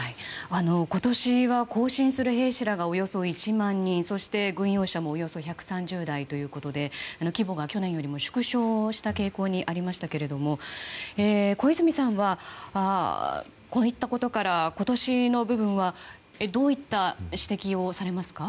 今年は行進する兵士らがおよそ１万人そして軍用車もおよそ１３０台ということで規模が去年よりも縮小した傾向にありましたけれども小泉さんはこういったことから今年の部分はどういった指摘をされますか。